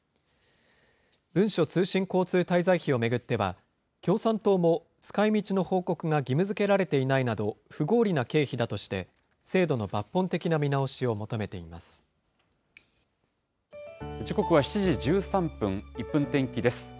文書通信交通滞在費を巡っては、共産党も、使いみちの報告が義務づけられていないなど、不合理な経費だとして、制度の抜本的な見時刻は７時１３分、１分天気です。